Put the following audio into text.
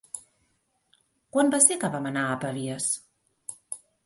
Quan va ser que vam anar a Pavies?